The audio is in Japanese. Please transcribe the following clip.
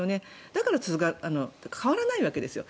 だから変わらないんですよ。